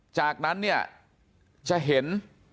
จากนั้นเนี่ยจะเห็น